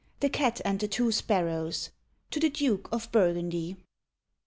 THE CAT AND THE TWO SPARROWS. TO THE DUKE OF BURGUNDY.